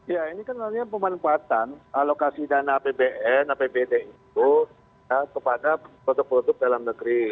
ya ini kan sebenarnya pemanfaatan alokasi dana apbn apbd itu kepada produk produk dalam negeri